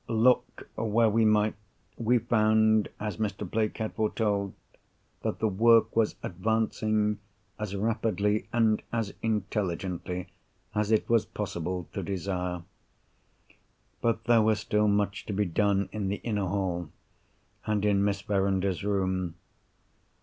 Look where we might, we found, as Mr. Blake had foretold that the work was advancing as rapidly and as intelligently as it was possible to desire. But there was still much to be done in the inner hall, and in Miss Verinder's room.